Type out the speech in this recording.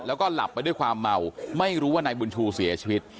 แล้วก็หลับไปด้วยความเมาไม่รู้ว่านายบุญชูเสียชีวิต